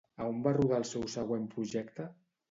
A on va rodar el seu següent projecte?